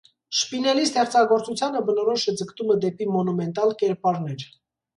Շպինելի ստեղծագործությանը բնորոշ է ձգտումը դեպի մոնումենտալ կերպարներ։